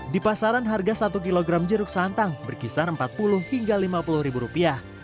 di pasaran harga satu kg jeruk santang berkisar rp empat puluh hingga rp lima puluh